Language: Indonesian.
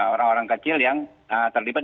orang orang kecil yang terlibat